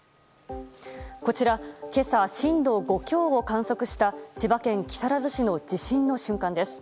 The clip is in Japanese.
こちら今朝、震度５強を観測した千葉県木更津市の地震の瞬間です。